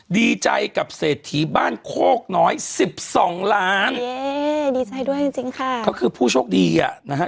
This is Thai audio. ดีใจกับเศรษฐีบ้านโคกน้อย๑๒หลานเย้ดีใจด้วยจริงค่ะเขาคือผู้โชคดีอ่ะนะฮะ